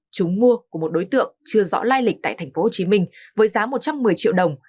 chúng mua của một đối tượng chưa rõ lai lịch tại tp hcm với giá một trăm một mươi triệu đồng